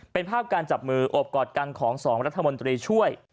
เป็นภาพการจับมือโอบกอดกันของ๒รัฐมนตรีช่วย